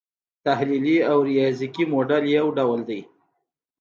تحلیلي او ریاضیکي موډل یو ډول دی.